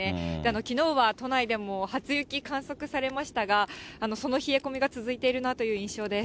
きのうは都内でも初雪観測されましたが、その冷え込みが続いているなという印象です。